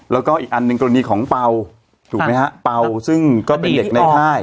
แล้วก็อีกอันหนึ่งกรณีของเป่าถูกไหมฮะเป่าซึ่งก็เป็นเด็กในค่าย